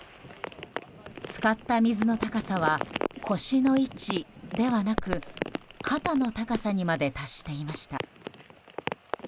浸かった水の高さは腰の位置ではなく肩の高さにまで達していました。